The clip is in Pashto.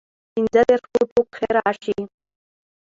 پنځۀدېرش فوټو کښې راشي